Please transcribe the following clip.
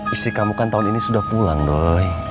istri kamu kan tahun ini sudah pulang dong